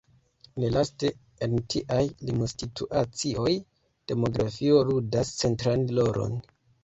Nelaste, en tiaj limsituacioj, demografio ludas centran rolon.